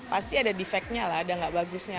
pasti ada defeknya lah ada gak bagusnya